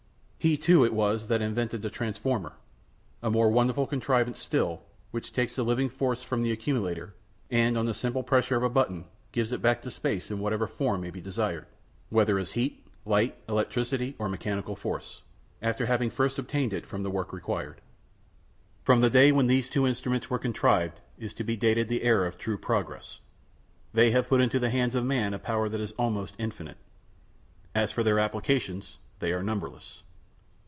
He, too, it was that invented the transformer, a more wonderful contrivance still, which takes the living force from the accumulator, and, on the simple pressure of a button, gives it back to space in whatever form may be desired, whether as heat, light, electricity, or mechanical force, after having first obtained from it the work required. From the day when these two instruments were contrived is to be dated the era of true progress. They have put into the hands of man a power that is almost infinite. As for their applications, they are numberless.